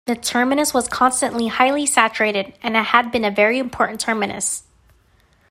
The terminus was constantly highly saturated and it had been a very important terminus.